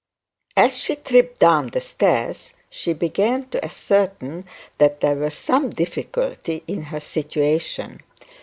As she tripped down the stairs she began to ascertain that there was some difficulty in her situation.